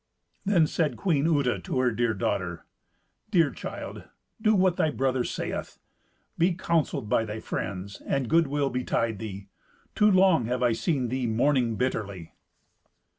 Then said queen Uta to her dear daughter, "Dear child, do what thy brother saith. Be counselled by thy friends, and good will betide thee. Too long have I seen thee mourning bitterly."